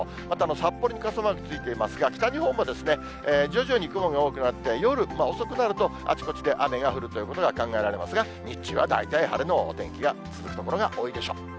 また、札幌に傘マークついていますが、北日本も徐々に雲が多くなって、夜遅くなると、あちこちで雨が降るということが考えられますが、日中は大体晴れのお天気が続く所が多いでしょう。